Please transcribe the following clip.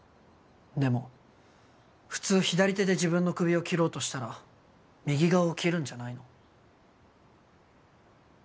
でも普通左手で自分の首を切ろうとしたら右側を切るんじゃないの？